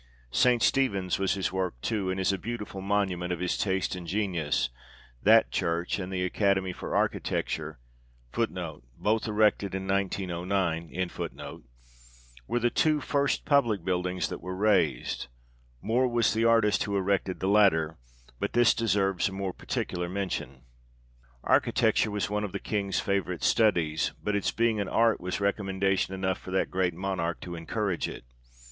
St. Stephen's was his work too, and is a beautiful monument of his taste and genius ; that church and the Academy for Architecture l were the two first public buildings that were raised ; Moor was the artist who erected the latter ; but this deserves a more particular mention. Architecture was one of the King's favourite studies ; but its being an art was recommendation enough for that great Monarch to encourage it.